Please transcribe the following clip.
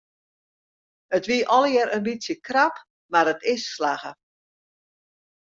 It wie allegear in bytsje krap mar it is slagge.